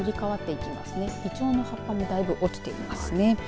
いちょうの葉っぱもだいぶ落ちていますね。